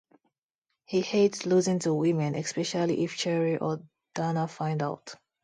He hates losing to women, especially if Cheryl or Dana find out.